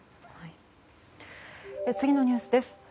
次のニュースです。